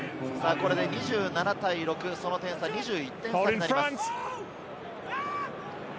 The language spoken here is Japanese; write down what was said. これで２７対６、点差は２１点差になります。